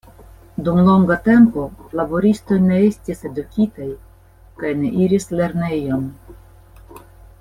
Dum longa tempo, laboristoj ne estis edukitaj kaj ne iris lernejon.